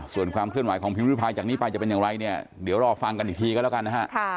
ส่วนความเคลื่อนไหวของพิมพิพายจากนี้ไปจะเป็นอย่างไรเนี่ยเดี๋ยวรอฟังกันอีกทีก็แล้วกันนะฮะ